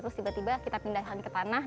terus tiba tiba kita pindahkan ke tanah